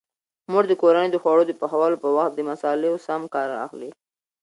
مور د کورنۍ د خوړو د پخولو په وخت د مصالحو سم کار اخلي.